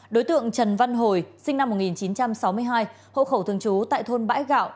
đối tượng trần văn hồi sinh năm một nghìn chín trăm sáu mươi hai hộ khẩu thường trú tại thôn bãi gạo